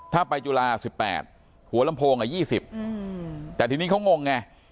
ถ้าไปจุฬา๑๘หัวลำโพง๒๐แต่ทีนี้เขางงไง